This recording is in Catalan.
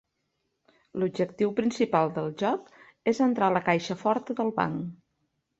L'objectiu principal del joc és entrar a la caixa forta del banc.